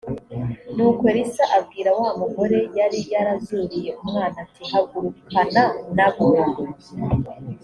nuko elisa abwira wa mugore yari yarazuriye umwana ati hagurukana n abo